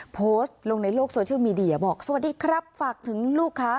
โพสต์ลงในโลกโซเชียลมีเดียบอกสวัสดีครับฝากถึงลูกค้า